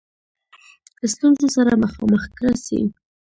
ستونزو سره مخامخ کړه سي.